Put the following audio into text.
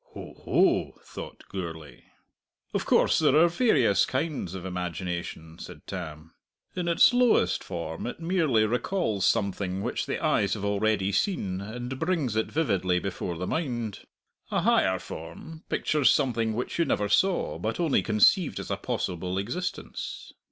"Ho, ho!" thought Gourlay. "Of course there are various kinds of imagination," said Tam. "In its lowest form it merely recalls something which the eyes have already seen, and brings it vividly before the mind. A higher form pictures something which you never saw, but only conceived as a possible existence.